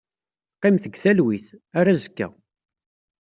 Qqimet deg talwit. Ar azekka.